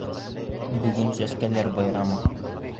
Бөгөн сәскәләр байрамы!